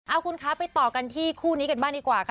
เอาคุณคะไปต่อกันที่คู่นี้กันบ้างดีกว่าค่ะ